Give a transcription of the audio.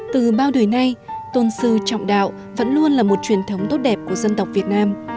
từ bao đời nay tôn sư trọng đạo vẫn luôn là một truyền thống tốt đẹp của dân tộc việt nam